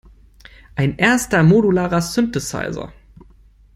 Ein erster Modularer Synthesizer.